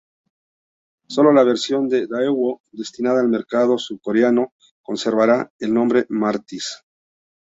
Solo la versión de Daewoo, destinada al mercado surcoreano, conservará el nombre Matiz.